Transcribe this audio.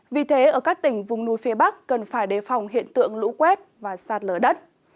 vì thế ở các tỉnh vùng núi phía bắc cần phải đề phòng hiện tượng lũ quét và sạt lở đất